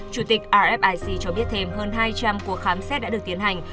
chủ tịch rfic cho biết thêm hơn hai trăm linh cuộc khám xét đã được tiến hành